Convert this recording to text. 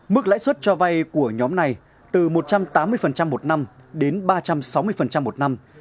mức lãi suất cho vay của nhóm này từ một trăm tám mươi một năm đến ba trăm sáu mươi một năm